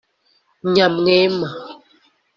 nyamwema